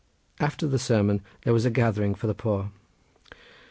After the sermon there was a gathering for the poor.